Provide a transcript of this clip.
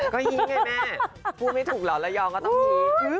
ก็หี้ไงแม่พูดไม่ถูกหรอกละยองก็ต้องหี้